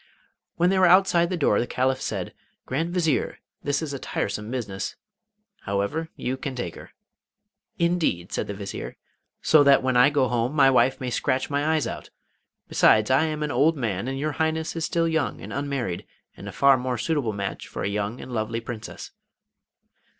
When they were outside the door the Caliph said: 'Grand Vizier, this is a tiresome business. However, you can take her.' 'Indeed!' said the Vizier; 'so that when I go home my wife may scratch my eyes out! Besides, I am an old man, and your Highness is still young and unmarried, and a far more suitable match for a young and lovely Princess.